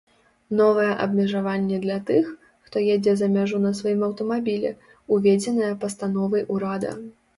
Новае абмежаванне для тых, хто едзе за мяжу на сваім аўтамабілі, уведзенае пастановай урада.